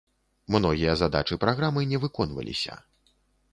Многія задачы праграмы не выконваліся.